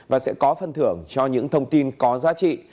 và sẽ có phân thưởng cho những thông tin có giá trị